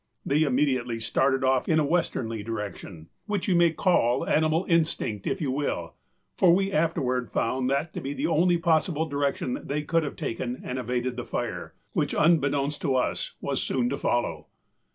They immediately started off in a westernly direction, which you may call animal instinct if you will, for we afterward found that to be the only possible direction they could have taken and evaded the fire, which unbeknown to us was so soon to follow.